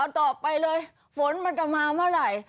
ต่อไปเลยฝนมันจะมาเมื่อไหร่